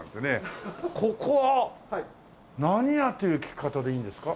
ここは何屋？っていう聞き方でいいんですか？